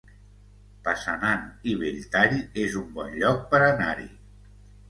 Passanant i Belltall es un bon lloc per anar-hi